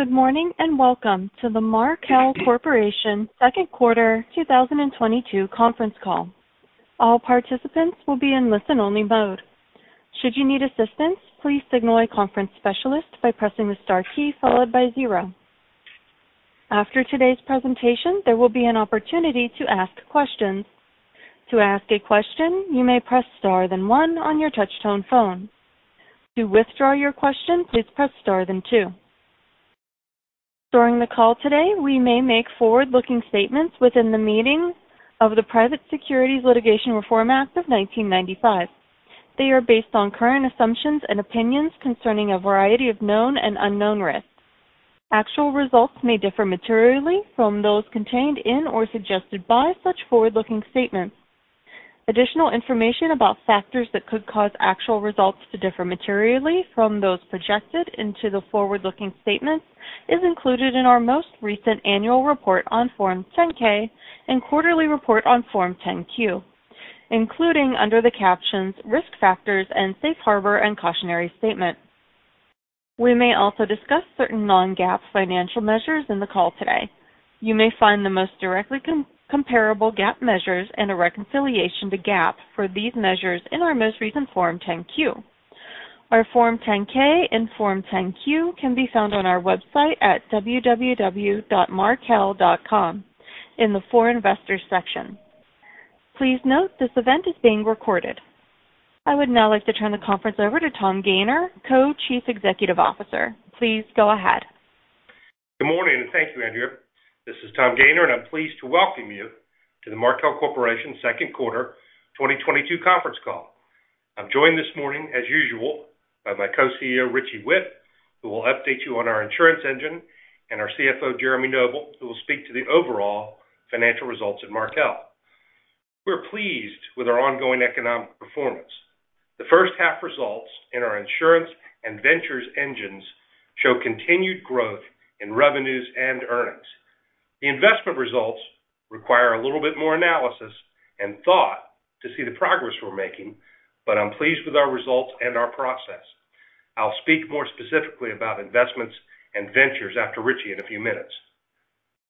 Good morning, and welcome to the Markel Corporation Second Quarter 2022 Conference Call. All participants will be in listen-only mode. Should you need assistance, please signal a conference specialist by pressing the star key followed by zero. After today's presentation, there will be an opportunity to ask questions. To ask a question, you may press star then one on your touchtone phone. To withdraw your question, please press star then two. During the call today, we may make forward-looking statements within the meaning of the Private Securities Litigation Reform Act of 1995. They are based on current assumptions and opinions concerning a variety of known and unknown risks. Actual results may differ materially from those contained in or suggested by such forward-looking statements. Additional information about factors that could cause actual results to differ materially from those projected into the forward-looking statements is included in our most recent annual report on Form 10-K and quarterly report on Form 10-Q, including under the captions Risk Factors and Safe Harbor and Cautionary Statement. We may also discuss certain non-GAAP financial measures in the call today. You may find the most directly comparable GAAP measures and a reconciliation to GAAP for these measures in our most recent Form 10-Q. Our Form 10-K and Form 10-Q can be found on our website at www.markel.com in the For Investors section. Please note this event is being recorded. I would now like to turn the conference over to Tom Gayner, Co-Chief Executive Officer. Please go ahead. Good morning, and thank you, Andrea. This is Tom Gayner, and I'm pleased to welcome you to the Markel Corporation Second Quarter 2022 Conference Call. I'm joined this morning, as usual, by my co-CEO, Richie Whitt, who will update you on our Insurance engine, and our CFO, Jeremy Noble, who will speak to the overall financial results at Markel. We're pleased with our ongoing economic performance. The first half results in our Insurance and Ventures engines show continued growth in revenues and earnings. The investment results require a little bit more analysis and thought to see the progress we're making, but I'm pleased with our results and our process. I'll speak more specifically about investments and Ventures after Richie in a few minutes.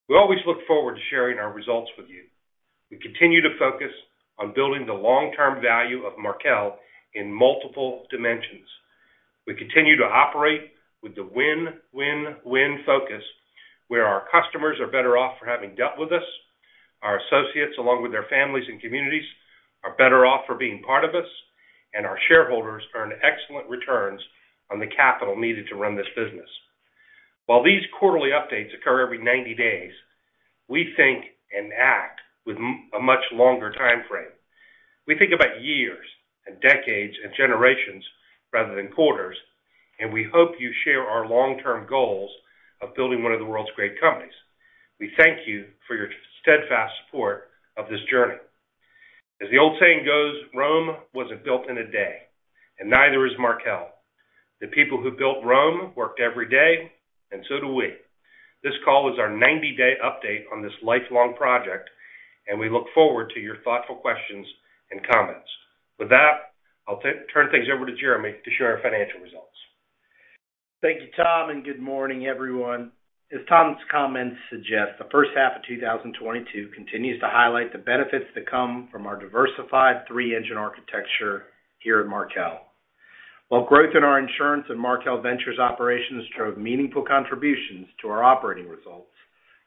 We always look forward to sharing our results with you. We continue to focus on building the long-term value of Markel in multiple dimensions. We continue to operate with the win, win focus, where our customers are better off for having dealt with us, our associates, along with their families and communities, are better off for being part of us, and our shareholders earn excellent returns on the capital needed to run this business. While these quarterly updates occur every 90 days, we think and act with a much longer time frame. We think about years and decades and generations rather than quarters, and we hope you share our long-term goals of building one of the world's great companies. We thank you for your steadfast support of this journey. As the old saying goes, Rome wasn't built in a day, and neither is Markel. The people who built Rome worked every day, and so do we. This call is our 90-day update on this lifelong project, and we look forward to your thoughtful questions and comments. With that, I'll turn things over to Jeremy to share our financial results. Thank you, Tom, and good morning, everyone. As Tom's comments suggest, the first half of 2022 continues to highlight the benefits that come from our diversified three-engine architecture here at Markel. While growth in our Insurance and Markel Ventures operations drove meaningful contributions to our operating results,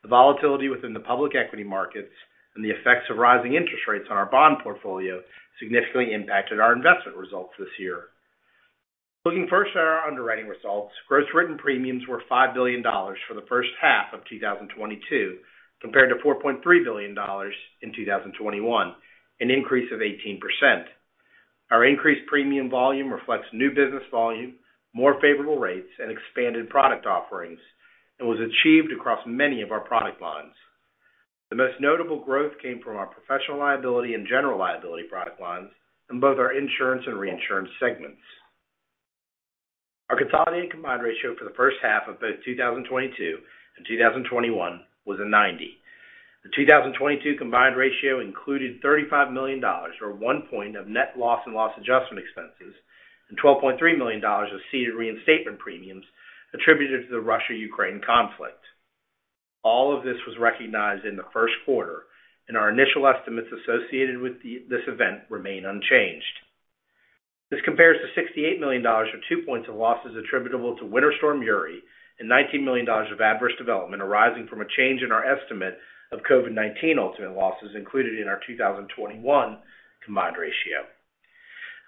the volatility within the public equity markets and the effects of rising interest rates on our bond portfolio significantly impacted our investment results this year. Looking first at our underwriting results, gross written premiums were $5 billion for the first half of 2022, compared to $4.3 billion in 2021, an increase of 18%. Our increased premium volume reflects new business volume, more favorable rates, and expanded product offerings, and was achieved across many of our product lines. The most notable growth came from our professional liability and general liability product lines in both our Insurance and ReInsurance segments. Our consolidated combined ratio for the first half of both 2022 and 2021 was 90%. The 2022 combined ratio included $35 million, or 1 point of net loss and loss adjustment expenses, and $12.3 million of ceded reinstatement premiums attributed to the Russia-Ukraine conflict. All of this was recognized in the first quarter, and our initial estimates associated with this event remain unchanged. This compares to $68 million or 2 points of losses attributable to Winter Storm Uri and $19 million of adverse development arising from a change in our estimate of COVID-19 ultimate losses included in our 2021 combined ratio.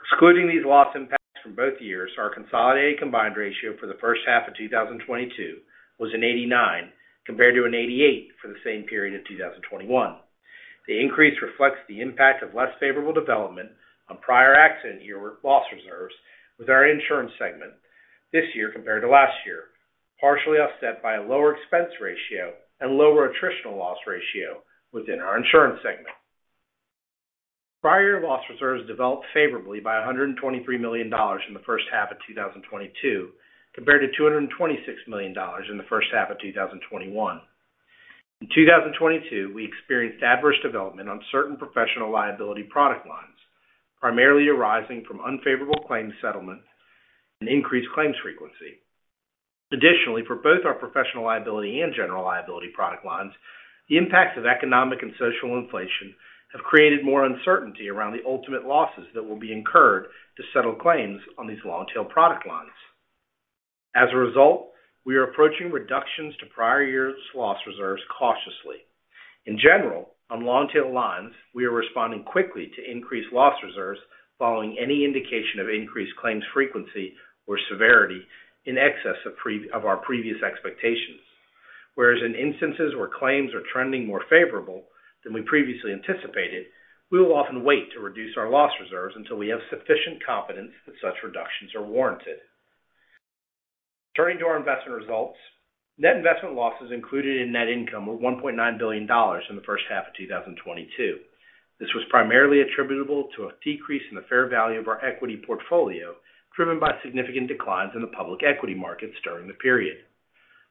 Excluding these loss impacts from both years, our consolidated combined ratio for the first half of 2022 was 89%, compared to 88% for the same period in 2021. The increase reflects the impact of less favorable development on prior accident year loss reserves with our Insurance segment this year compared to last year, partially offset by a lower expense ratio and lower attritional loss ratio within our Insurance segment. Prior year loss reserves developed favorably by $123 million in the first half of 2022, compared to $226 million in the first half of 2021. In 2022, we experienced adverse development on certain professional liability product lines, primarily arising from unfavorable claims settlements and increased claims frequency. Additionally, for both our professional liability and general liability product lines, the impacts of economic and social inflation have created more uncertainty around the ultimate losses that will be incurred to settle claims on these long-tail product lines. As a result, we are approaching reductions to prior years' loss reserves cautiously. In general, on long-tail lines, we are responding quickly to increased loss reserves following any indication of increased claims frequency or severity in excess of our previous expectations. Whereas in instances where claims are trending more favorable than we previously anticipated, we will often wait to reduce our loss reserves until we have sufficient confidence that such reductions are warranted. Turning to our investment results. Net investment losses included in net income of $1.9 billion in the first half of 2022. This was primarily attributable to a decrease in the fair value of our equity portfolio, driven by significant declines in the public equity markets during the period.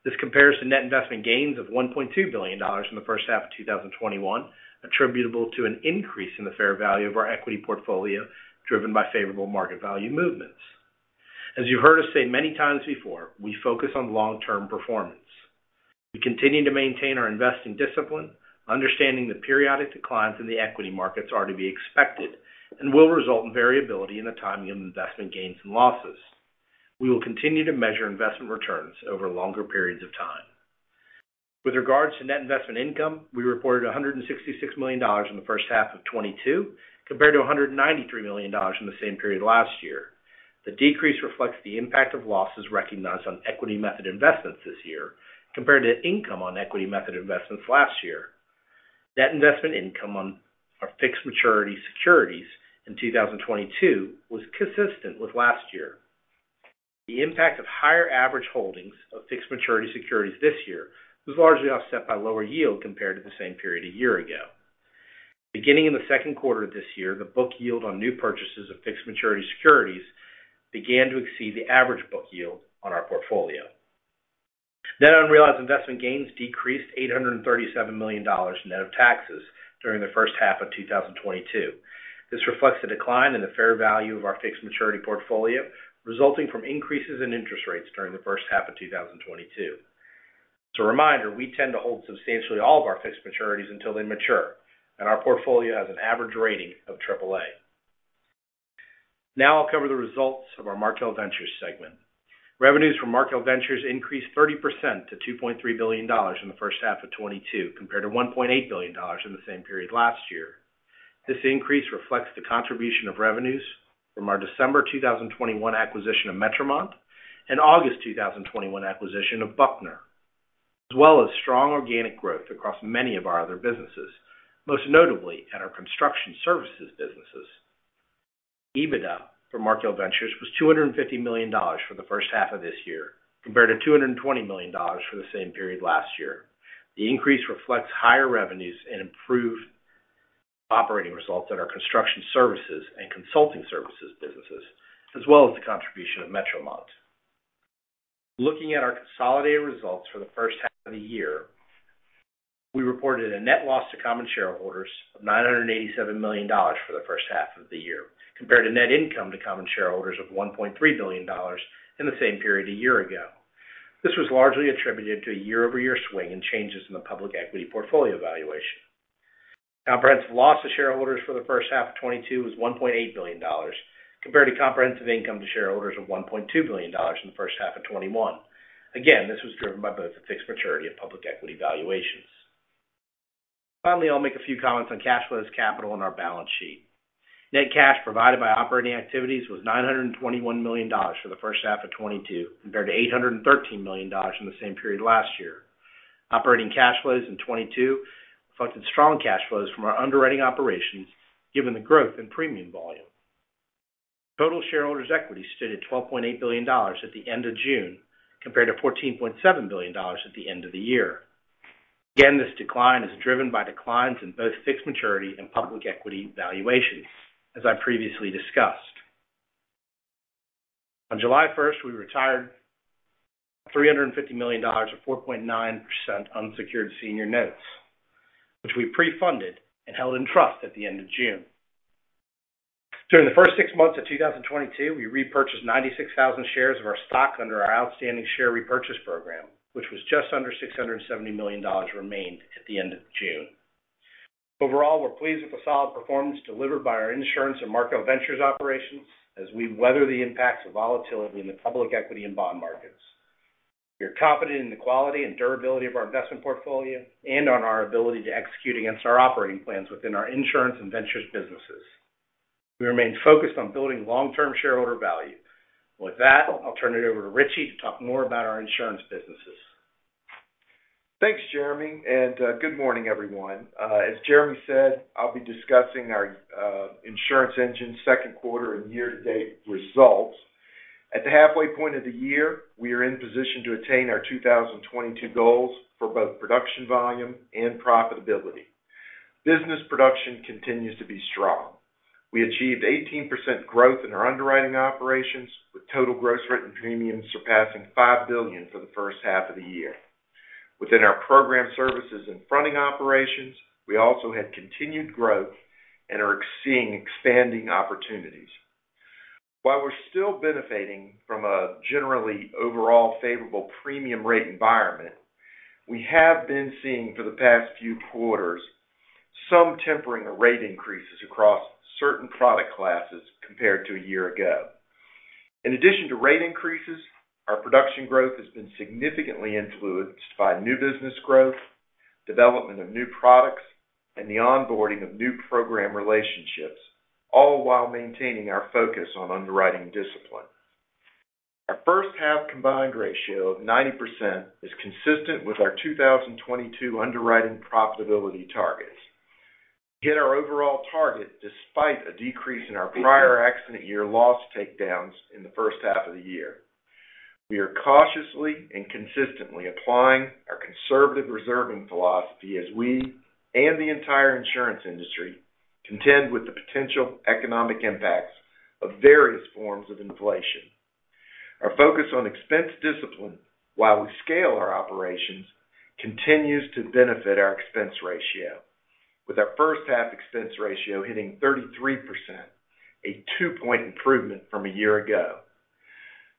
This compares to net investment gains of $1.2 billion in the first half of 2021, attributable to an increase in the fair value of our equity portfolio, driven by favorable market value movements. As you've heard us say many times before, we focus on long-term performance. We continue to maintain our investing discipline, understanding that periodic declines in the equity markets are to be expected and will result in variability in the timing of investment gains and losses. We will continue to measure investment returns over longer periods of time. With regards to net investment income, we reported $166 million in the first half of 2022, compared to $193 million in the same period last year. The decrease reflects the impact of losses recognized on equity method investments this year, compared to income on equity method investments last year. Net investment income on our fixed maturity securities in 2022 was consistent with last year. The impact of higher average holdings of fixed maturity securities this year was largely offset by lower yield compared to the same period a year ago. Beginning in the second quarter of this year, the book yield on new purchases of fixed maturity securities began to exceed the average book yield on our portfolio. Net unrealized investment gains decreased $837 million net of taxes during the first half of 2022. This reflects the decline in the fair value of our fixed maturity portfolio, resulting from increases in interest rates during the first half of 2022. As a reminder, we tend to hold substantially all of our fixed maturities until they mature, and our portfolio has an average rating of AAA. Now I'll cover the results of our Markel Ventures segment. Revenues from Markel Ventures increased 30% to $2.3 billion in the first half of 2022, compared to $1.8 billion in the same period last year. This increase reflects the contribution of revenues from our December 2021 acquisition of Metromont and August 2021 acquisition of Buckner, as well as strong organic growth across many of our other businesses, most notably at our Construction Services businesses. EBITDA for Markel Ventures was $250 million for the first half of this year, compared to $220 million for the same period last year. The increase reflects higher revenues and improved operating results at our Construction Services and Consulting Services businesses, as well as the contribution of Metromont. Looking at our consolidated results for the first half of the year, we reported a net loss to common shareholders of $987 million for the first half of the year, compared to net income to common shareholders of $1.3 billion in the same period a year ago. This was largely attributed to a year-over-year swing in changes in the public equity portfolio valuation. Comprehensive loss to shareholders for the first half of 2022 was $1.8 billion, compared to comprehensive income to shareholders of $1.2 billion in the first half of 2021. Again, this was driven by both the fixed maturities and public equity valuations. Finally, I'll make a few comments on cash flows, capital, and our balance sheet. Net cash provided by operating activities was $921 million for the first half of 2022, compared to $813 million in the same period last year. Operating cash flows in 2022 reflected strong cash flows from our underwriting operations, given the growth in premium volume. Total shareholders' equity stood at $12.8 billion at the end of June, compared to $14.7 billion at the end of the year. Again, this decline is driven by declines in both fixed maturity and public equity valuations, as I previously discussed. On July 1, we retired $350 million of 4.9% unsecured senior notes, which we pre-funded and held in trust at the end of June. During the first six months of 2022, we repurchased 96,000 shares of our stock under our outstanding share repurchase program, which was just under $670 million remained at the end of June. Overall, we're pleased with the solid performance delivered by our Insurance and Markel Ventures operations as we weather the impacts of volatility in the public equity and bond markets. We are confident in the quality and durability of our investment portfolio and on our ability to execute against our operating plans within our Insurance and Ventures businesses. We remain focused on building long-term shareholder value. With that, I'll turn it over to Richie to talk more about our Insurance businesses. Thanks, Jeremy, and good morning, everyone. As Jeremy said, I'll be discussing our Insurance engine's second quarter and year-to-date results. At the halfway point of the year, we are in position to attain our 2022 goals for both production volume and profitability. Business production continues to be strong. We achieved 18% growth in our underwriting operations, with total gross written premiums surpassing $5 billion for the first half of the year. Within our program services and fronting operations, we also had continued growth and are seeing expanding opportunities. While we're still benefiting from a generally overall favorable premium rate environment, we have been seeing for the past few quarters some tempering of rate increases across certain product classes compared to a year ago. In addition to rate increases, our production growth has been significantly influenced by new business growth, development of new products, and the onboarding of new program relationships, all while maintaining our focus on underwriting discipline. Our first half combined ratio of 90% is consistent with our 2022 underwriting profitability targets. To hit our overall target despite a decrease in our prior accident year loss takedowns in the first half of the year, we are cautiously and consistently applying our conservative reserving philosophy as we and the entire Insurance industry contend with the potential economic impacts of various forms of inflation. Our focus on expense discipline while we scale our operations continues to benefit our expense ratio. With our first half expense ratio hitting 33%, a 2-point improvement from a year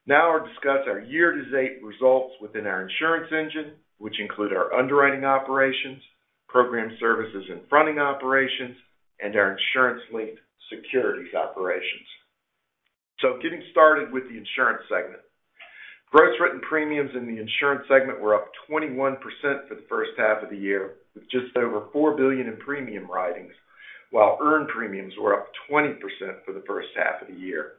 ago. Now I'll discuss our year-to-date results within our Insurance engine, which include our underwriting operations, program services and fronting operations, and our Insurance-linked securities operations. Getting started with the Insurance segment. Gross written premiums in the Insurance segment were up 21% for the first half of the year, with just over $4 billion in premium writings, while earned premiums were up 20% for the first half of the year.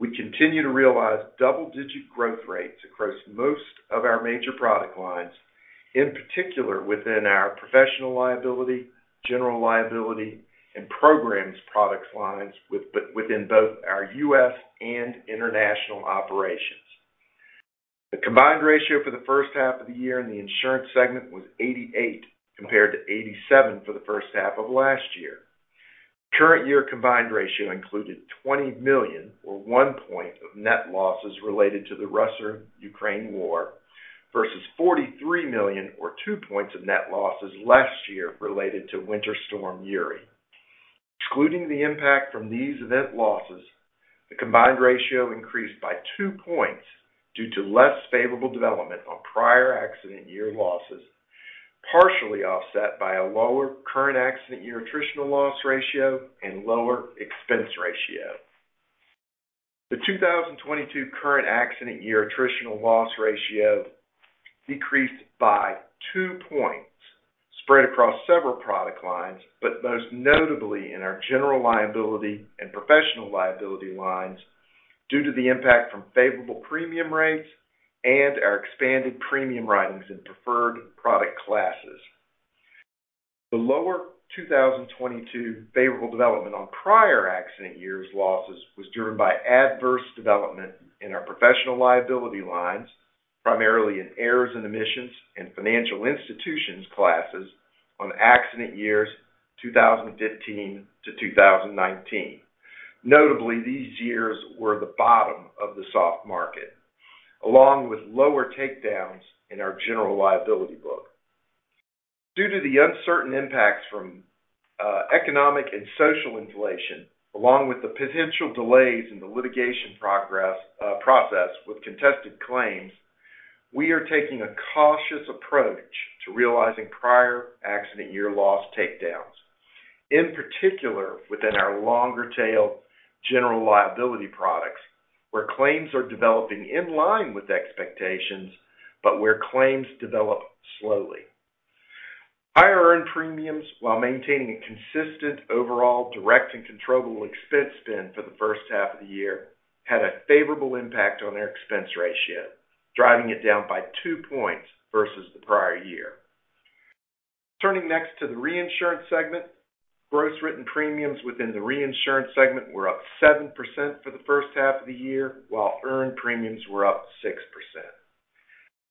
We continue to realize double-digit growth rates across most of our major product lines, in particular within our professional liability, general liability, and programs product lines within both our U.S. and international operations. The combined ratio for the first half of the year in the Insurance segment was 88, compared to 87 for the first half of last year. Current year combined ratio included $20 million or 1 point of net losses related to the Russia-Ukraine war versus $43 million or 2 points of net losses last year related to Winter Storm Uri. Excluding the impact from these event losses, the combined ratio increased by 2 points due to less favorable development on prior accident year losses, partially offset by a lower current accident year attritional loss ratio and lower expense ratio. The 2022 current accident year attritional loss ratio decreased by 2 points spread across several product lines, but most notably in our general liability and professional liability lines due to the impact from favorable premium rates and our expanded premium writings in preferred product classes. The lower 2022 favorable development on prior accident years losses was driven by adverse development in our professional liability lines, primarily in errors and omissions and financial institutions classes on accident years 2015 to 2019. Notably, these years were the bottom of the soft market, along with lower takedowns in our general liability book. Due to the uncertain impacts from economic and social inflation, along with the potential delays in the litigation process with contested claims, we are taking a cautious approach to realizing prior accident year loss takedowns, in particular within our longer tail general liability products, where claims are developing in line with expectations, but where claims develop slowly. Higher earned premiums, while maintaining a consistent overall direct and controllable expense spend for the first half of the year, had a favorable impact on our expense ratio, driving it down by 2 points versus the prior year. Turning next to the Reinsurance segment. Gross written premiums within the Reinsurance segment were up 7% for the first half of the year, while earned premiums were up 6%.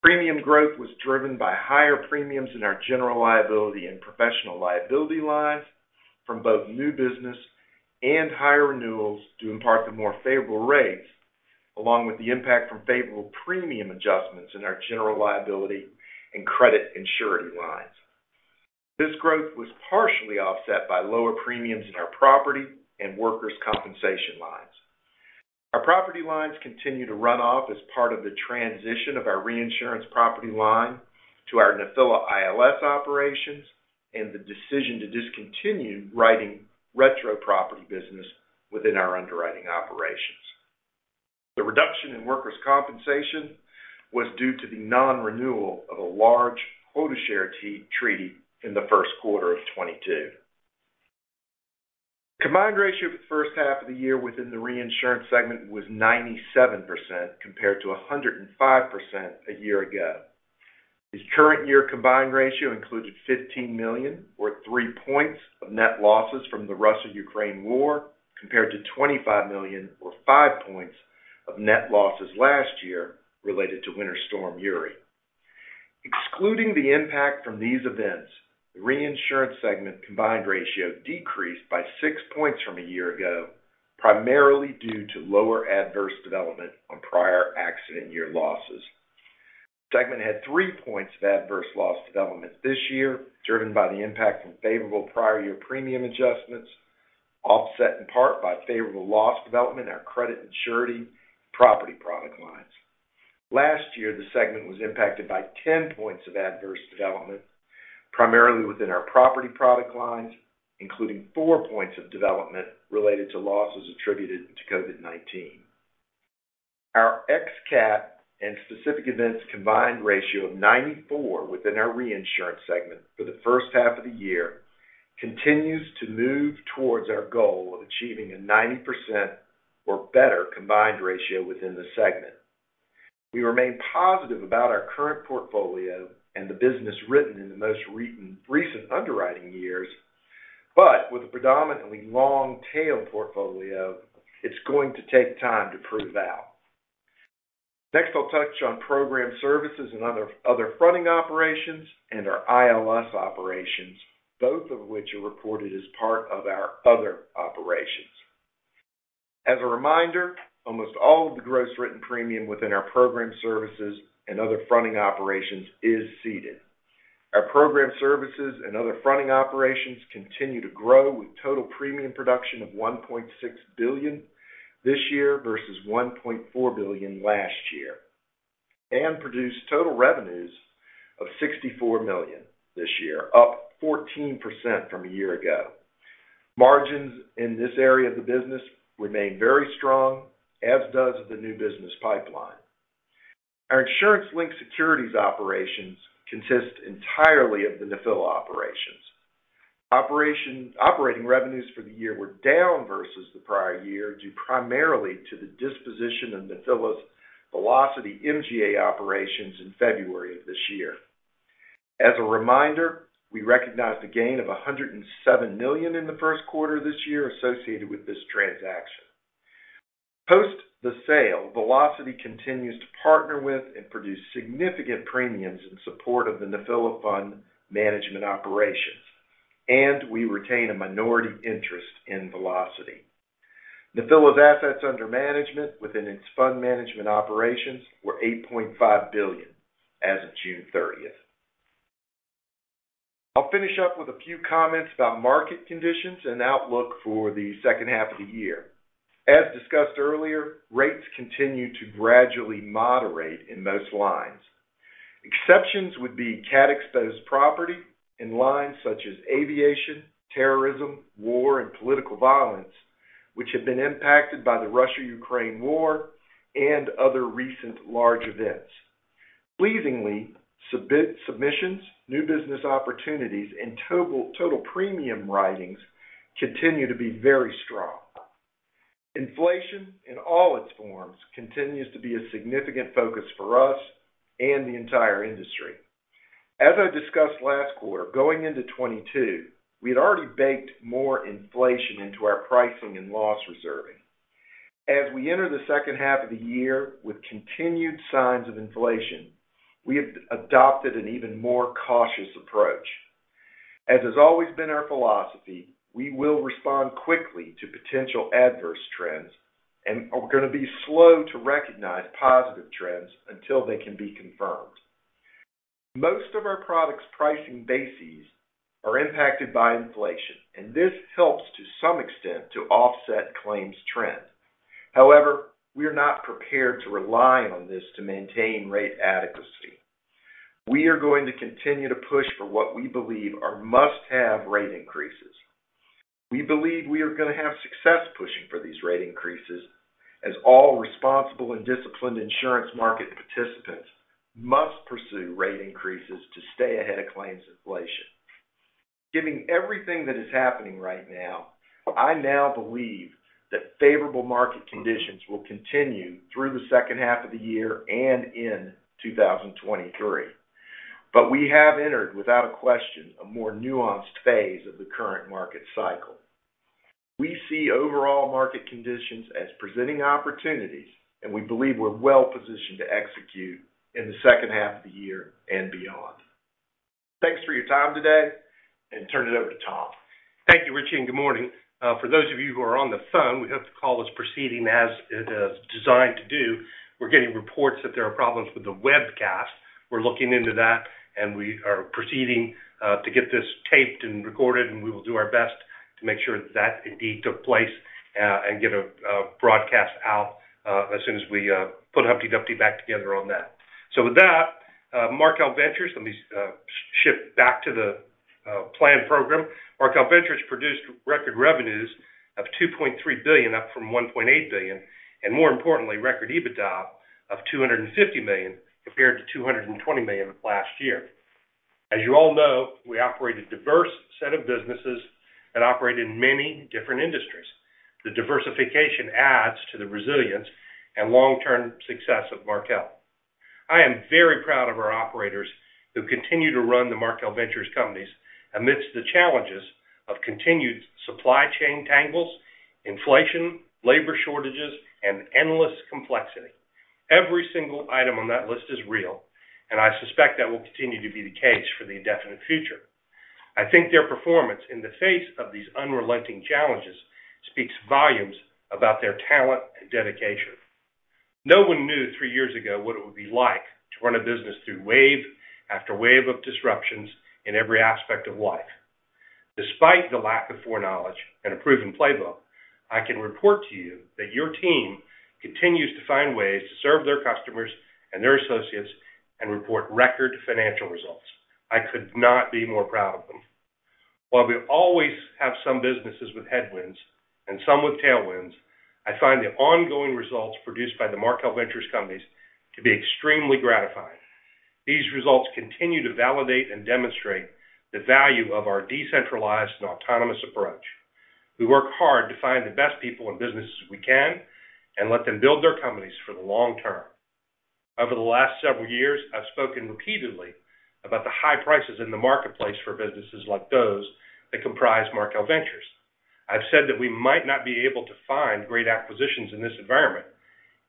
Premium growth was driven by higher premiums in our general liability and professional liability lines from both new business and higher renewals due in part to more favorable rates, along with the impact from favorable premium adjustments in our general liability and credit and surety lines. This growth was partially offset by lower premiums in our property and workers' compensation lines. Our property lines continue to run off as part of the transition of our Reinsurance property line to our Nephila ILS operations and the decision to discontinue writing retro property business within our underwriting operations. The reduction in workers' compensation was due to the non-renewal of a large quota share treaty in the first quarter of 2022. Combined ratio for the first half of the year within the Reinsurance segment was 97% compared to 105% a year ago. This current year combined ratio included $15 million or 3 points of net losses from the Russia-Ukraine war, compared to $25 million or 5 points of net losses last year related to Winter Storm Uri. Excluding the impact from these events, the Reinsurance segment combined ratio decreased by 6 points from a year ago, primarily due to lower adverse development on prior accident year losses. Segment had 3 points of adverse loss development this year, driven by the impact from favorable prior year premium adjustments, offset in part by favorable loss development in our credit and surety property product lines. Last year, the segment was impacted by 10 points of adverse development, primarily within our property product lines, including 4 points of development related to losses attributed to COVID-19. Our ex cat and specific events combined ratio of 94 within our Reinsurance segment for the first half of the year continues to move towards our goal of achieving a 90% or better combined ratio within the segment. We remain positive about our current portfolio and the business written in the most recent underwriting years, but with a predominantly long-tail portfolio, it's going to take time to prove out. Next, I'll touch on program services and other fronting operations and our ILS operations, both of which are reported as part of our other operations. As a reminder, almost all of the gross written premium within our program services and other fronting operations is ceded. Our program services and other fronting operations continue to grow, with total premium production of $1.6 billion this year versus $1.4 billion last year, and produced total revenues of $64 million this year, up 14% from a year ago. Margins in this area of the business remain very strong, as does the new business pipeline. Our Insurance-linked securities operations consist entirely of the Nephila operations. Operating revenues for the year were down versus the prior year, due primarily to the disposition of Nephila's Velocity MGA operations in February of this year. As a reminder, we recognized a gain of $107 million in the first quarter of this year associated with this transaction. Post the sale, Velocity continues to partner with and produce significant premiums in support of the Nephila Fund management operations, and we retain a minority interest in Velocity. Nephila's assets under management within its fund management operations were $8.5 billion as of June thirtieth. I'll finish up with a few comments about market conditions and outlook for the second half of the year. As discussed earlier, rates continue to gradually moderate in most lines. Exceptions would be cat-exposed property in lines such as aviation, terrorism, war, and political violence, which have been impacted by the Russia-Ukraine war and other recent large events. Pleasingly, submissions, new business opportunities, and total premium writings continue to be very strong. Inflation in all its forms continues to be a significant focus for us and the entire industry. As I discussed last quarter, going into 2022, we had already baked more inflation into our pricing and loss reserving. As we enter the second half of the year with continued signs of inflation, we have adopted an even more cautious approach. As has always been our philosophy, we will respond quickly to potential adverse trends and are gonna be slow to recognize positive trends until they can be confirmed. Most of our products' pricing bases are impacted by inflation, and this helps to some extent to offset claims trends. However, we are not prepared to rely on this to maintain rate adequacy. We are going to continue to push for what we believe are must-have rate increases. We believe we are gonna have success pushing for these rate increases as all responsible and disciplined Insurance market participants must pursue rate increases to stay ahead of claims inflation. Given everything that is happening right now, I now believe that favorable market conditions will continue through the second half of the year and in 2023. We have entered, without a question, a more nuanced phase of the current market cycle. We see overall market conditions as presenting opportunities, and we believe we're well-positioned to execute in the second half of the year and beyond. Thanks for your time today, and turn it over to Tom. Thank you, Richie, and good morning. For those of you who are on the phone, we hope the call is proceeding as it is designed to do. We're getting reports that there are problems with the webcast. We're looking into that, and we are proceeding to get this taped and recorded, and we will do our best to make sure that indeed took place and get a broadcast out as soon as we put Humpty Dumpty back together on that. With that, Markel Ventures, let me shift back to the planned program. Markel Ventures produced record revenues of $2.3 billion, up from $1.8 billion, and more importantly, record EBITDA of $250 million, compared to $220 million last year. As you all know, we operate a diverse set of businesses that operate in many different industries. The diversification adds to the resilience and long-term success of Markel. I am very proud of our operators who continue to run the Markel Ventures companies amidst the challenges of continued supply chain tangles, inflation, labor shortages, and endless complexity. Every single item on that list is real, and I suspect that will continue to be the case for the indefinite future. I think their performance in the face of these unrelenting challenges speaks volumes about their talent and dedication. No one knew three years ago what it would be like to run a business through wave after wave of disruptions in every aspect of life. Despite the lack of foreknowledge and a proven playbook, I can report to you that your team continues to find ways to serve their customers and their associates and report record financial results. I could not be more proud of them. While we always have some businesses with headwinds and some with tailwinds, I find the ongoing results produced by the Markel Ventures companies to be extremely gratifying. These results continue to validate and demonstrate the value of our decentralized and autonomous approach. We work hard to find the best people and businesses we can and let them build their companies for the long term. Over the last several years, I've spoken repeatedly about the high prices in the marketplace for businesses like those that comprise Markel Ventures. I've said that we might not be able to find great acquisitions in this environment,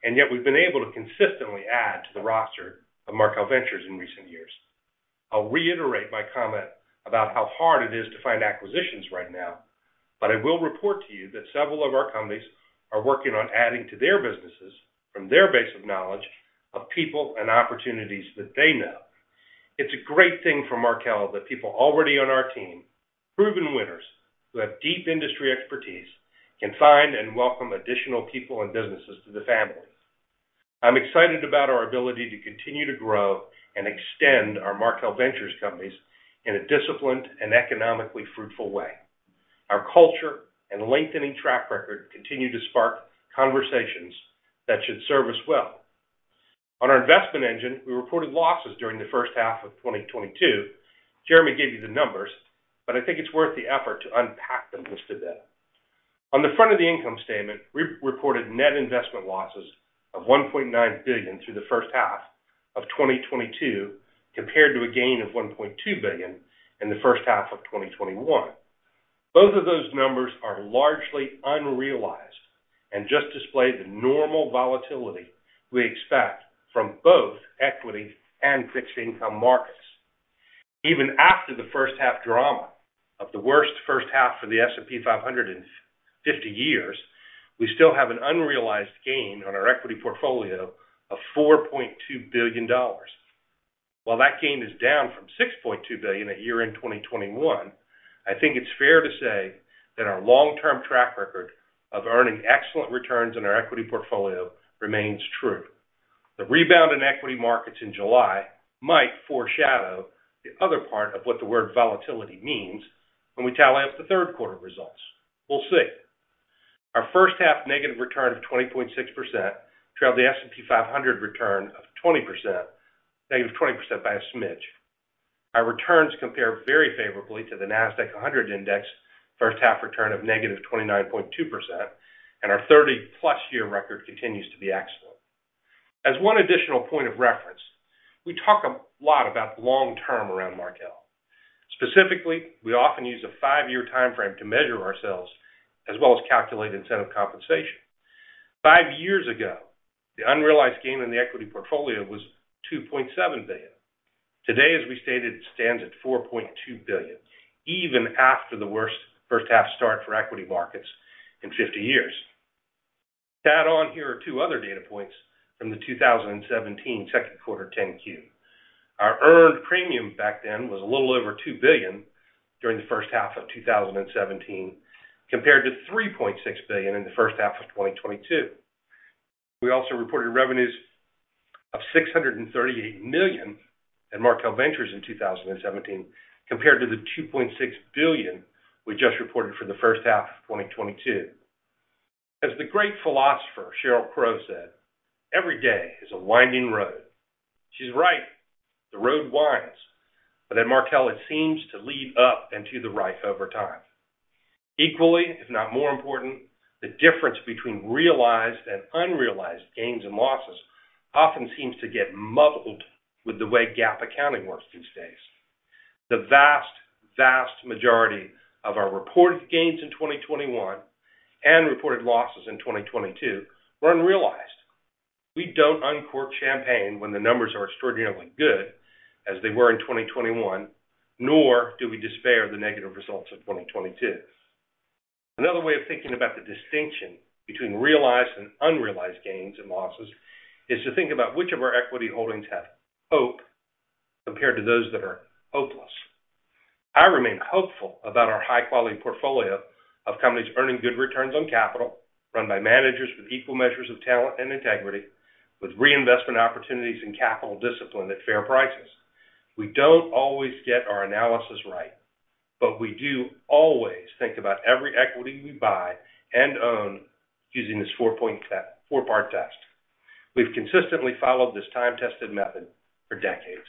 and yet we've been able to consistently add to the roster of Markel Ventures in recent years. I'll reiterate my comment about how hard it is to find acquisitions right now, but I will report to you that several of our companies are working on adding to their businesses from their base of knowledge of people and opportunities that they know. It's a great thing for Markel that people already on our team, proven winners who have deep industry expertise, can find and welcome additional people and businesses to the family. I'm excited about our ability to continue to grow and extend our Markel Ventures companies in a disciplined and economically fruitful way. Our culture and lengthening track record continue to spark conversations that should serve us well. On our Investment engine, we reported losses during the first half of 2022. Jeremy gave you the numbers, but I think it's worth the effort to unpack them just a bit. On the front of the income statement, we reported net investment losses of $1.9 billion through the first half of 2022, compared to a gain of $1.2 billion in the first half of 2021. Both of those numbers are largely unrealized and just display the normal volatility we expect from both equity and fixed income markets. Even after the first half drama of the worst first half for the S&P 500 in 50 years, we still have an unrealized gain on our equity portfolio of $4.2 billion. While that gain is down from $6.2 billion at year-end 2021, I think it's fair to say that our long-term track record of earning excellent returns on our equity portfolio remains true. The rebound in equity markets in July might foreshadow the other part of what the word volatility means when we tally up the third quarter results. We'll see. Our first half negative return of 20.6% trailed the S&P 500 return of -20% by a smidge. Our returns compare very favorably to the Nasdaq-100 Index first half return of -29.2%, and our 30+ year record continues to be excellent. As one additional point of reference, we talk a lot about long term around Markel. Specifically, we often use a 5-year time frame to measure ourselves as well as calculate incentive compensation. 5 years ago, the unrealized gain in the equity portfolio was $2.7 billion. Today, as we stated, it stands at $4.2 billion, even after the worst first half start for equity markets in 50 years. To add on, here are two other data points from the 2017 second quarter 10-Q. Our earned premium back then was a little over $2 billion during the first half of 2017, compared to $3.6 billion in the first half of 2022. We also reported revenues of $638 million in Markel Ventures in 2017, compared to the $2.6 billion we just reported for the first half of 2022. As the great philosopher Sheryl Crow said, "Every day is a winding road." She's right. The road winds, but at Markel it seems to lead up and to the right over time. Equally, if not more important, the difference between realized and unrealized gains and losses often seems to get muddled with the way GAAP accounting works these days. The vast majority of our reported gains in 2021 and reported losses in 2022 were unrealized. We don't uncork champagne when the numbers are extraordinarily good, as they were in 2021, nor do we despair the negative results of 2022. Another way of thinking about the distinction between realized and unrealized gains and losses is to think about which of our equity holdings have hope compared to those that are hopeless. I remain hopeful about our high-quality portfolio of companies earning good returns on capital, run by managers with equal measures of talent and integrity, with reinvestment opportunities and capital discipline at fair prices. We don't always get our analysis right, but we do always think about every equity we buy and own using this four-part test. We've consistently followed this time-tested method for decades.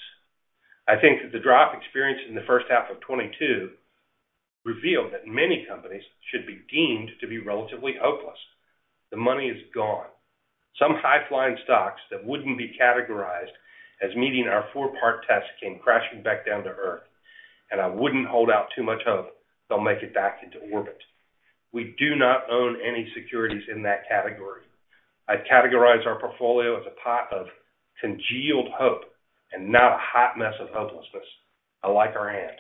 I think that the drop experienced in the first half of 2022 revealed that many companies should be deemed to be relatively hopeless. The money is gone. Some high-flying stocks that wouldn't be categorized as meeting our four-part test came crashing back down to earth, and I wouldn't hold out too much hope they'll make it back into orbit. We do not own any securities in that category. I'd categorize our portfolio as a pot of congealed hope and not a hot mess of hopelessness. I like our hand.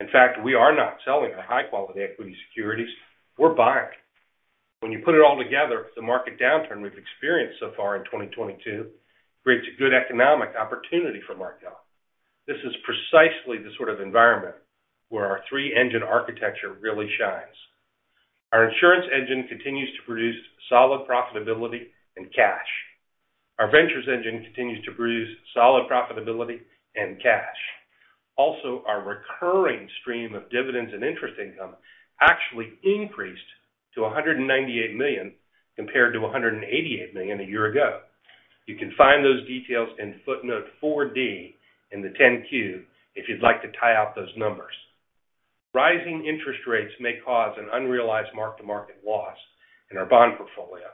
In fact, we are not selling our high-quality equity securities. We're buying. When you put it all together, the market downturn we've experienced so far in 2022 creates a good economic opportunity for Markel. This is precisely the sort of environment where our three-engine architecture really shines. Our Insurance engine continues to produce solid profitability and cash. Our Ventures engine continues to produce solid profitability and cash. Also, our recurring stream of dividends and interest income actually increased to $198 million compared to $188 million a year ago. You can find those details in footnote 4D in the 10-Q if you'd like to tie out those numbers. Rising interest rates may cause an unrealized mark-to-market loss in our bond portfolio.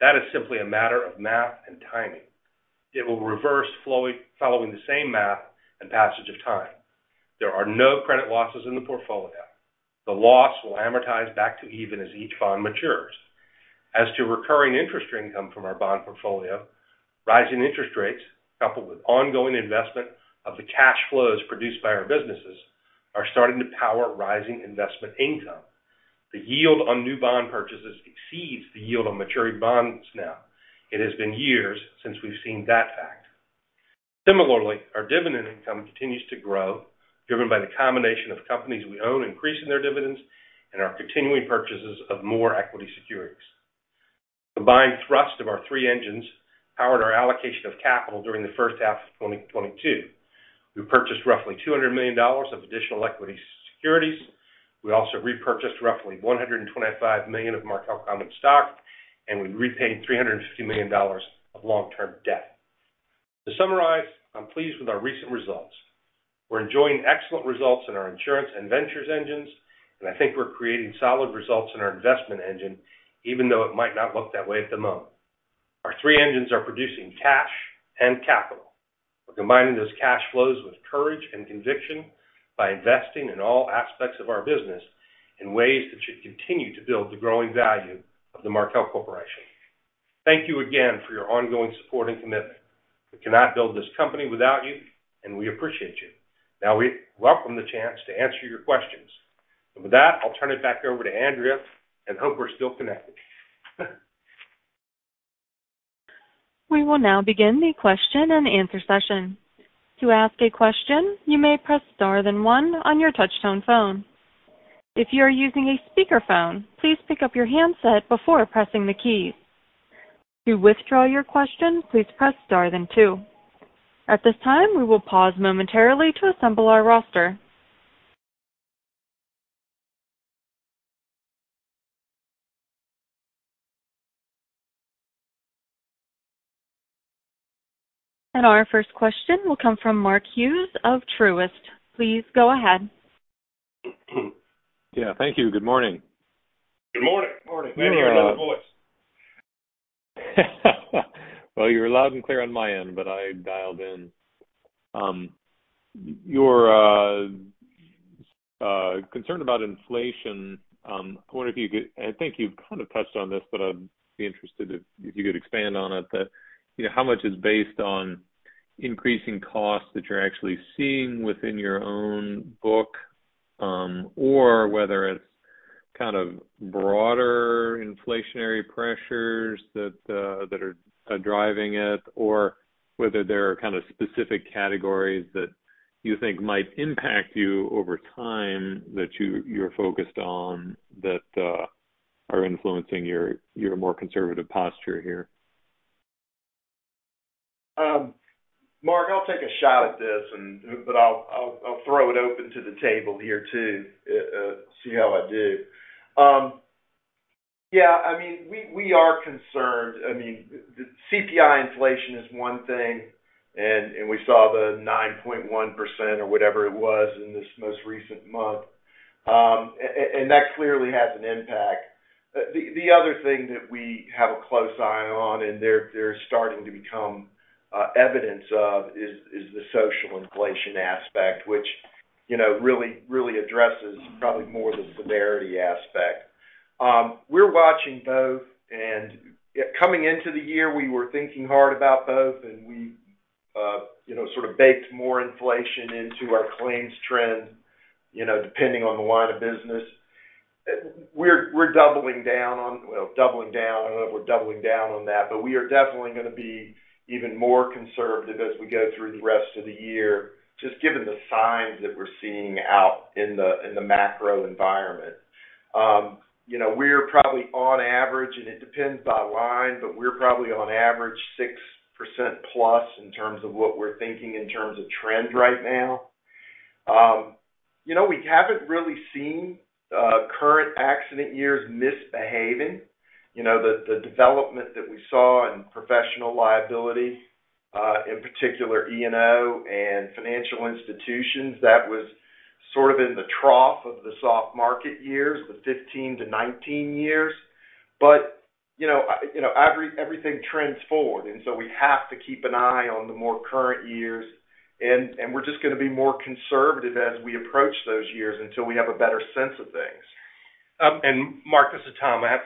That is simply a matter of math and timing. It will reverse following the same math and passage of time. There are no credit losses in the portfolio. The loss will amortize back to even as each bond matures. As to recurring interest income from our bond portfolio, rising interest rates, coupled with ongoing investment of the cash flows produced by our businesses, are starting to power rising investment income. The yield on new bond purchases exceeds the yield on maturity bonds now. It has been years since we've seen that fact. Similarly, our dividend income continues to grow, driven by the combination of companies we own increasing their dividends and our continuing purchases of more equity securities. The buying thrust of our three engines powered our allocation of capital during the first half of 2022. We purchased roughly $200 million of additional equity securities. We also repurchased roughly $125 million of Markel common stock, and we repaid $350 million of long-term debt. To summarize, I'm pleased with our recent results. We're enjoying excellent results in our Insurance and Ventures engines, and I think we're creating solid results in our Investment engine, even though it might not look that way at the moment. Our three engines are producing cash and capital. We're combining those cash flows with courage and conviction by investing in all aspects of our business in ways that should continue to build the growing value of the Markel Corporation. Thank you again for your ongoing support and commitment. We cannot build this company without you, and we appreciate you. Now we welcome the chance to answer your questions. With that, I'll turn it back over to Andrea and hope we're still connected. We will now begin the question and answer session. To ask a question, you may press star then one on your touchtone phone. If you are using a speakerphone, please pick up your handset before pressing the keys. To withdraw your question, please press star then two. At this time, we will pause momentarily to assemble our roster. Our first question will come from Mark Hughes of Truist. Please go ahead. Yeah, thank you. Good morning. Good morning. Morning. We have another voice. Well, you're loud and clear on my end, but I dialed in. Your concern about inflation, I think you've kinda touched on this, but I'd be interested if you could expand on it, you know, how much is based on increasing costs that you're actually seeing within your own book, or whether it's kind of broader inflationary pressures that are driving it or whether there are kind of specific categories that you think might impact you over time that you're focused on that are influencing your more conservative posture here. Mark, I'll take a shot at this, but I'll throw it open to the table here too, see how I do. Yeah, I mean, we are concerned. I mean, the CPI inflation is one thing, and we saw the 9.1% or whatever it was in this most recent month. That clearly has an impact. The other thing that we have a close eye on, and they're starting to become evidence of, is the social inflation aspect, which, you know, really addresses probably more of the severity aspect. We're watching both, and coming into the year, we were thinking hard about both, and we, you know, sort of baked more inflation into our claims trend, you know, depending on the line of business. We're doubling down, I don't know if we're doubling down on that, but we are definitely gonna be even more conservative as we go through the rest of the year, just given the signs that we're seeing out in the macro environment. You know, we're probably on average, and it depends by line, but we're probably on average 6%+ in terms of what we're thinking in terms of trend right now. You know, we haven't really seen current accident years misbehaving. You know, the development that we saw in professional liability, in particular E&O and financial institutions, that was sort of in the trough of the soft market years, the 15-19 years. You know, everything trends forward, and so we have to keep an eye on the more current years and we're just gonna be more conservative as we approach those years until we have a better sense of things. Mark, this is Tom. I have,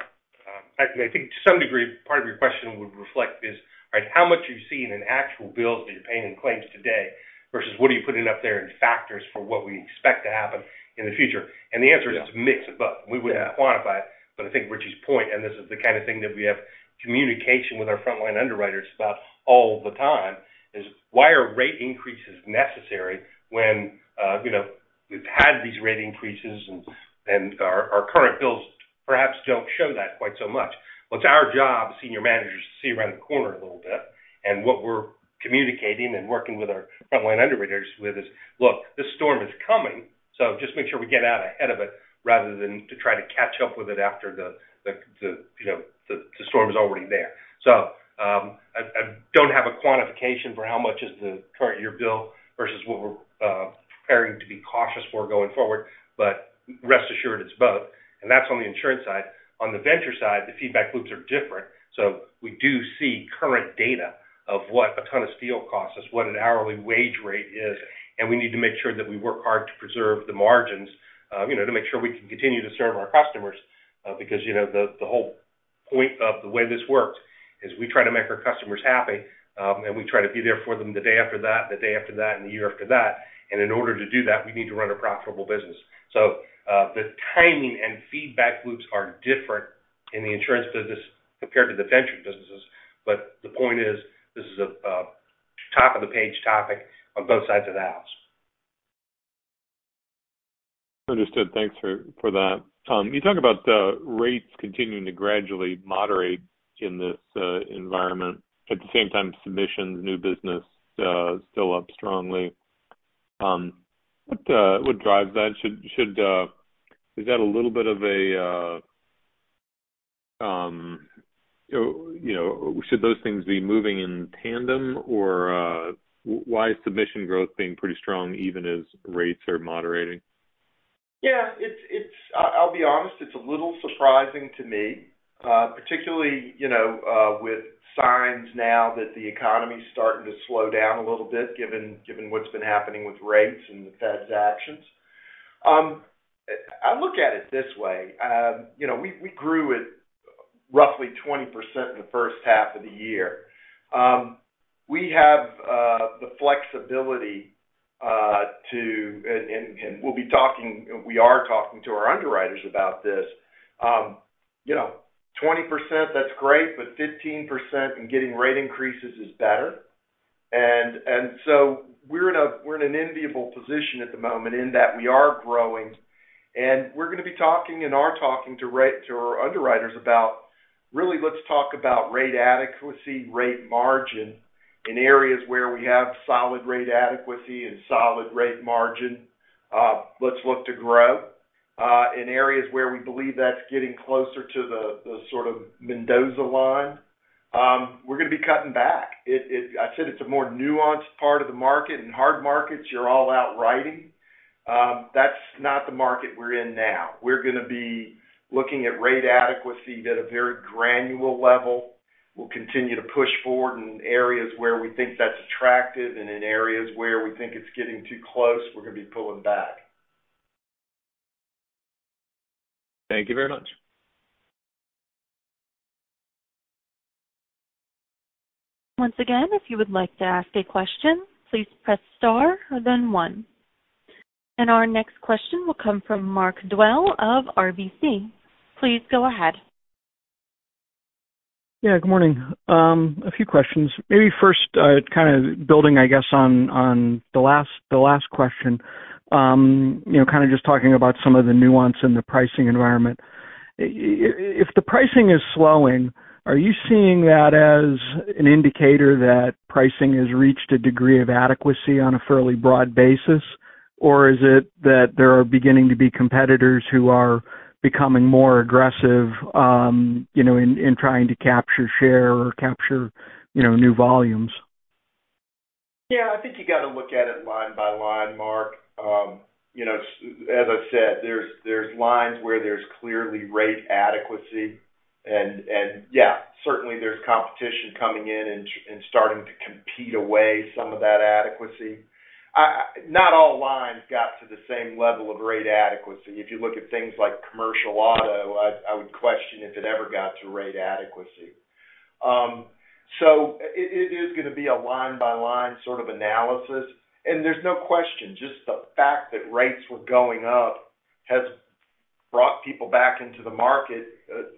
I think to some degree, part of your question would reflect is, all right, how much you've seen in actual bills that you're paying in claims today versus what are you putting up there in factors for what we expect to happen in the future? The answer is it's a mix of both. We wouldn't quantify it, but I think Richie's point, and this is the kind of thing that we have communication with our frontline underwriters about all the time, is why are rate increases necessary when, you know, we've had these rate increases and our current bills perhaps don't show that quite so much. Well, it's our job as senior managers to see around the corner a little bit, and what we're communicating and working with our frontline underwriters with is, look, this storm is coming, so just make sure we get out ahead of it rather than to try to catch up with it after the, you know, the storm is already there. I don't have a quantification for how much is the current year bill versus what we're preparing to be cautious for going forward, but rest assured, it's both. That's on the Insurance side. On the venture side, the feedback loops are different. We do see current data of what a ton of steel costs us, what an hourly wage rate is, and we need to make sure that we work hard to preserve the margins, you know, to make sure we can continue to serve our customers, because, you know, the whole point of the way this works is we try to make our customers happy, and we try to be there for them the day after that, the day after that, and the year after that. In order to do that, we need to run a profitable business. The timing and feedback loops are different in the Insurance business compared to the Venture businesses. The point is, this is a top of the page topic on both sides of the house. Understood. Thanks for that. Tom, you talk about the rates continuing to gradually moderate in this environment. At the same time, submissions, new business, still up strongly. What drives that? Should those things be moving in tandem or why is submission growth being pretty strong even as rates are moderating? Yeah. It's I'll be honest, it's a little surprising to me, particularly you know with signs now that the economy is starting to slow down a little bit given what's been happening with rates and the Fed's actions. I look at it this way, you know, we grew at roughly 20% in the first half of the year. We have the flexibility, and we are talking to our underwriters about this. You know, 20%, that's great, but 15% and getting rate increases is better. So we're in an enviable position at the moment in that we are growing, and we are talking to our underwriters about really, let's talk about rate adequacy, rate margin. In areas where we have solid rate adequacy and solid rate margin, let's look to grow. In areas where we believe that's getting closer to the sort of Mendoza line, we're gonna be cutting back. I said it's a more nuanced part of the market. In hard markets, you're all out writing. That's not the market we're in now. We're gonna be looking at rate adequacy at a very granular level. We'll continue to push forward in areas where we think that's attractive, and in areas where we think it's getting too close, we're gonna be pulling back. Thank you very much. Once again, if you would like to ask a question, please press star and then one. Our next question will come from Mark Dwelle of RBC. Please go ahead. Yeah, good morning. A few questions. Maybe first, kind of building on the last question, you know, kind of just talking about some of the nuance in the pricing environment. If the pricing is slowing, are you seeing that as an indicator that pricing has reached a degree of adequacy on a fairly broad basis, or is it that there are beginning to be competitors who are becoming more aggressive, you know, in trying to capture share or capture new volumes? Yeah. I think you got to look at it line by line, Mark. As I said, there's lines where there's clearly rate adequacy and yeah, certainly there's competition coming in and starting to compete away some of that adequacy. Not all lines got to the same level of rate adequacy. If you look at things like commercial auto, I would question if it ever got to rate adequacy. So it is gonna be a line-by-line sort of analysis. There's no question, just the fact that rates were going up has brought people back into the market,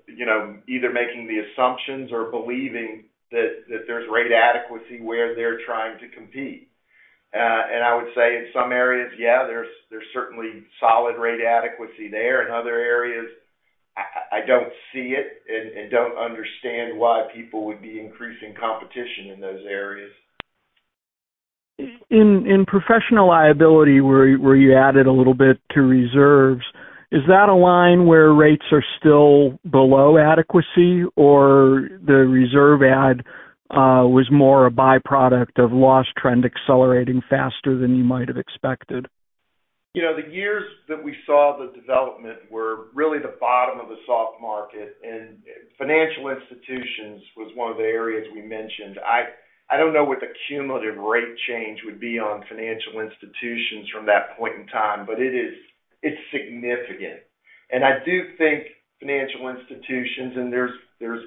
you know, either making the assumptions or believing that there's rate adequacy where they're trying to compete. And I would say in some areas, yeah, there's certainly solid rate adequacy there. In other areas, I don't see it and don't understand why people would be increasing competition in those areas. In professional liability where you added a little bit to reserves, is that a line where rates are still below adequacy or the reserve add was more a byproduct of loss trend accelerating faster than you might have expected? You know, the years that we saw the development were really the bottom of the soft market, and financial institutions was one of the areas we mentioned. I don't know what the cumulative rate change would be on financial institutions from that point in time, but it is, it's significant. I do think financial institutions, and there's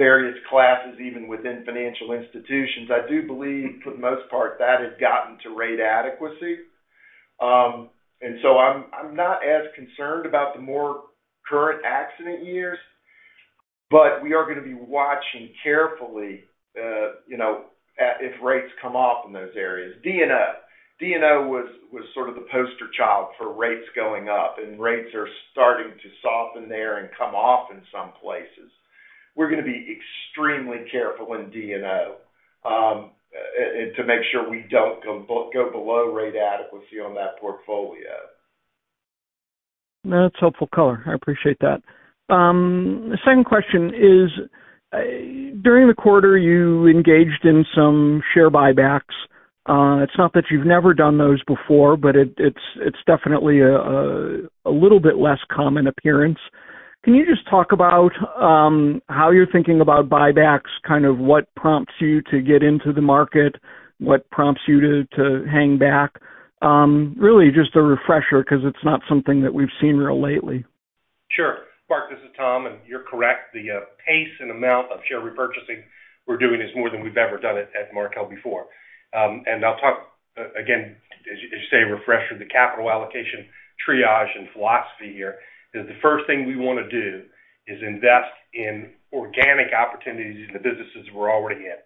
various classes even within financial institutions. I do believe for the most part, that has gotten to rate adequacy. I'm not as concerned about the more current accident years, but we are gonna be watching carefully, you know, if rates come off in those areas. D&O was sort of the poster child for rates going up and rates are starting to soften there and come off in some places. We're gonna be extremely careful in D&O to make sure we don't go below rate adequacy on that portfolio. That's helpful color. I appreciate that. The second question is, during the quarter, you engaged in some share buybacks. It's not that you've never done those before, but it's definitely a little bit less common appearance. Can you just talk about how you're thinking about buybacks, kind of what prompts you to get into the market? What prompts you to hang back? Really just a refresher 'cause it's not something that we've seen really lately. Sure. Mark, this is Tom, and you're correct. The pace and amount of share repurchasing we're doing is more than we've ever done it at Markel before. I'll talk again, as you say, refresher the capital allocation, triage and philosophy here, is the first thing we wanna do is invest in organic opportunities in the businesses we're already in.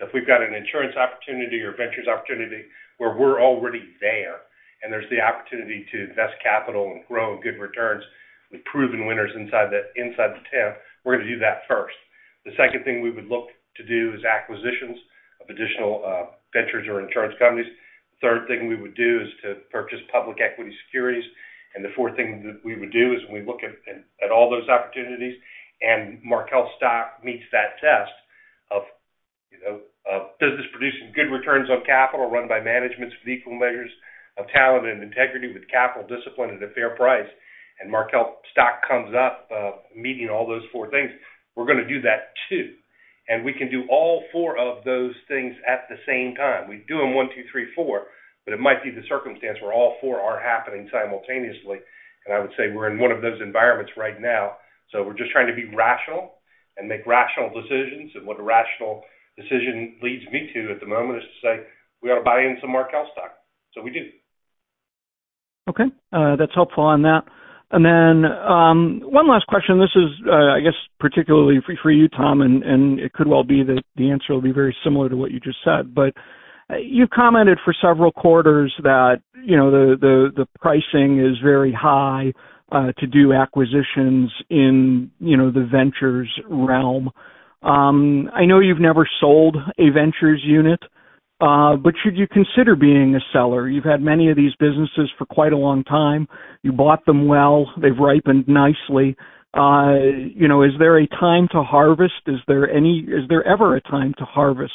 If we've got an Insurance opportunity or Ventures opportunity where we're already there, and there's the opportunity to invest capital and grow good returns with proven winners inside the tent, we're gonna do that first. The second thing we would look to do is acquisitions of additional Ventures or Insurance companies. Third thing we would do is to purchase public equity securities. The fourth thing that we would do is we look at all those opportunities, and Markel stock meets that test of, you know, of business producing good returns on capital, run by managements of equal measures of talent and integrity with capital discipline at a fair price. Markel stock comes up, meeting all those four things. We're gonna do that too. We can do all four of those things at the same time. We do them one, two, three, four, but it might be the circumstance where all four are happening simultaneously. I would say we're in one of those environments right now. We're just trying to be rational and make rational decisions. What a rational decision leads me to at the moment is to say, we ought to buy in some Markel stock. We do. Okay. That's helpful on that. One last question. This is, I guess particularly for you, Tom, and it could well be that the answer will be very similar to what you just said. You commented for several quarters that, you know, the pricing is very high to do acquisitions in, you know, the Ventures realm. I know you've never sold a Ventures unit, but should you consider being a seller? You've had many of these businesses for quite a long time. You bought them well. They've ripened nicely. You know, is there a time to harvest? Is there ever a time to harvest?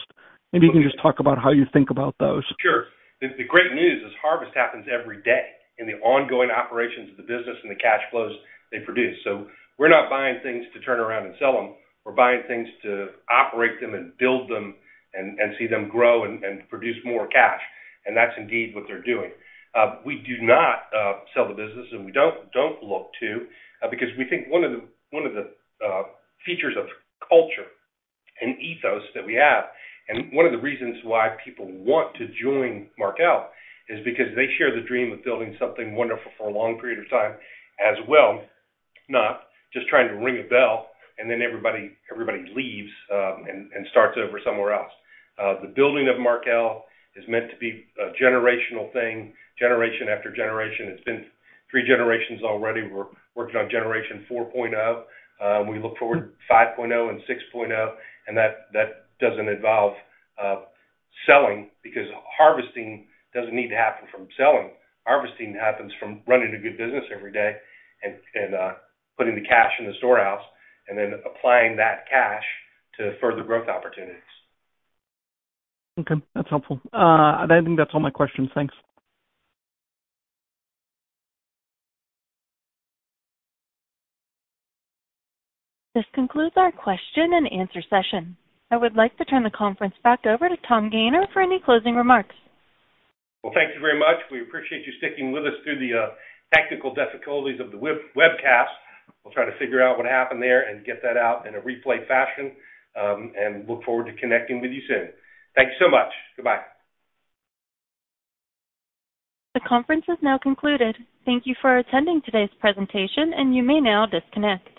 Maybe you can just talk about how you think about those. Sure. The great news is harvest happens every day in the ongoing operations of the business and the cash flows they produce. We're not buying things to turn around and sell them. We're buying things to operate them and build them and see them grow and produce more cash. That's indeed what they're doing. We do not sell the business, and we don't look to because we think one of the features of culture and ethos that we have, and one of the reasons why people want to join Markel is because they share the dream of building something wonderful for a long period of time as well. Not just trying to ring a bell and then everybody leaves, and starts over somewhere else. The building of Markel is meant to be a generational thing, generation after generation. It's been three generations already. We're working on generation 4.0. We look forward to 5.0 and 6.0. That doesn't involve selling because harvesting doesn't need to happen from selling. Harvesting happens from running a good business every day and putting the cash in the storehouse and then applying that cash to further growth opportunities. Okay, that's helpful. I think that's all my questions. Thanks. This concludes our question and answer session. I would like to turn the conference back over to Tom Gayner for any closing remarks. Well, thank you very much. We appreciate you sticking with us through the technical difficulties of the webcast. We'll try to figure out what happened there and get that out in a replay fashion, and look forward to connecting with you soon. Thank you so much. Goodbye. The conference is now concluded. Thank you for attending today's presentation, and you may now disconnect.